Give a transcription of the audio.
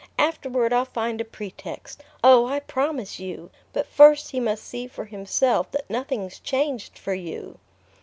Afterward I'll find a pretext oh, I promise you! But first he must see for himself that nothing's changed for you."